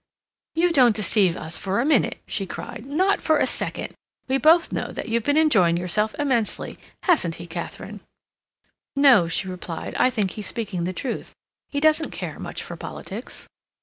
"You don't deceive us for a minute!" she cried. "Not for a second. We both know that you've been enjoying yourself immensely. Hasn't he, Katharine?" "No," she replied, "I think he's speaking the truth. He doesn't care much for politics."